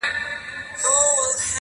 هره څپه یې ورانوي د بګړۍ ولونه.!.!